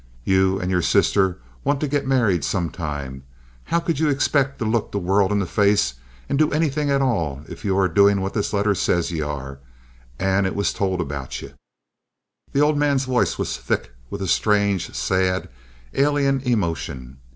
You and your sister want to get married sometime. How could ye expect to look the world in the face and do anythin' at all if ye are doin' what this letter says ye are, and it was told about ye?" The old man's voice was thick with a strange, sad, alien emotion.